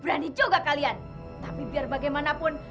berani juga kalian tapi biar bagaimanapun